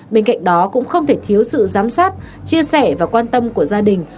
bên cạnh đó cũng không thể thiếu sự giám sát chia sẻ và quan tâm của gia đình